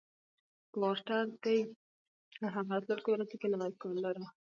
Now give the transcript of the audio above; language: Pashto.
کوارټر دی او هم راتلونکو ورځو کې نوی کال لرو،